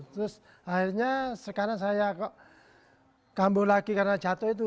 terus akhirnya sekarang saya kambuh lagi karena jatuh itu